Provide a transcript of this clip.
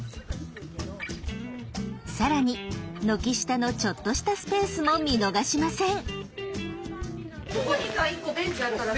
更に軒下のちょっとしたスペースも見逃しません。